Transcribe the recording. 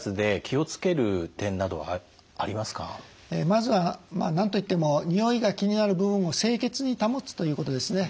まずは何と言ってもにおいが気になる部分を清潔に保つということですね。